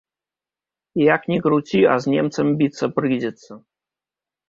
Як ні круці, а з немцам біцца прыйдзецца.